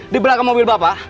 di belakang mobil bapak